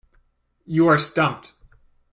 You are stumped.